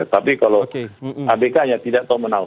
tapi kalau abk hanya tidak tahu menau